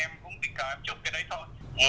và em cũng tình cờ chụp cái đấy thôi